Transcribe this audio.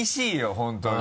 本当に。